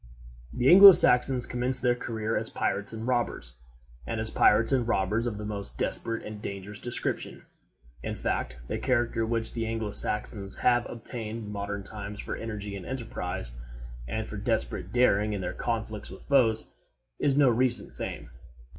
The Anglo Saxons commenced their career as pirates and robbers, and as pirates and robbers of the most desperate and dangerous description. In fact, the character which the Anglo Saxons have obtained in modern times for energy and enterprise, and for desperate daring in their conflicts with foes, is no recent fame.